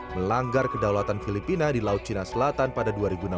melanggar kedaulatan filipina di laut cina selatan pada dua ribu enam belas